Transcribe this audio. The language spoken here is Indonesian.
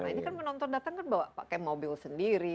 nah ini kan penonton datang kan pakai mobil sendiri